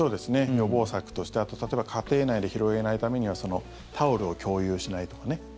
予防策として、あと例えば家庭内で広げないためにはタオルを共有しないとかね